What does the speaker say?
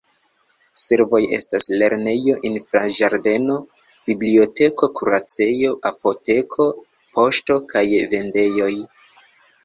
Servoj estas lernejo, infanĝardeno, biblioteko, kuracejo, apoteko, poŝto kaj vendejoj.